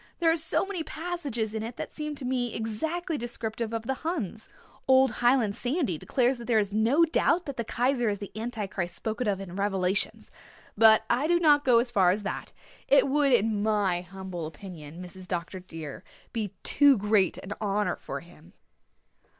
"There are so many passages in it that seem to me exactly descriptive of the Huns. Old Highland Sandy declares that there is no doubt that the Kaiser is the Anti Christ spoken of in Revelations, but I do not go as far as that. It would, in my humble opinion, Mrs. Dr. dear, be too great an honour for him."